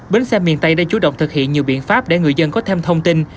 bến xe miền tây đã chú động thực hiện nhiều biện pháp để người dân có thêm thông tin